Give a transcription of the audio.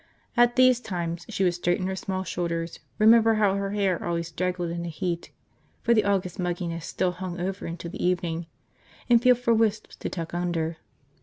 At these times she would straighten her small shoulders, remember how her hair always straggled in the heat – for the August mugginess still hung over into the evening – and feel for wisps to tuck under.